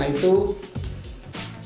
mengunturkan diri hidayat lutasco